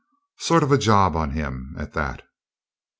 Sort of a job on him, at that."